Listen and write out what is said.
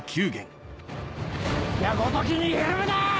矢ごときにひるむな！